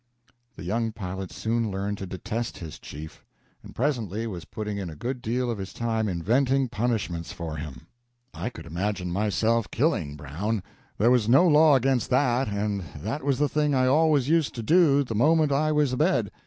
The young pilot soon learned to detest his chief, and presently was putting in a good deal of his time inventing punishments for him. I could imagine myself killing Brown; there was no law against that, and that was the thing I always used to do the moment I was abed.